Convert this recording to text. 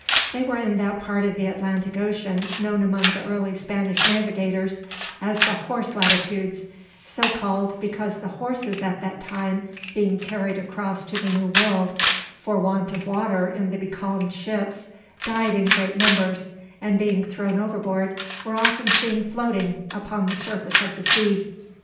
They were in that part of the Atlantic Ocean known among the early Spanish navigators as the Horse Latitudes, so called because the horses at that time being carried across to the New World, for want of water in the becalmed ships, died in great numbers, and being thrown overboard were often seen floating upon the surface of the sea.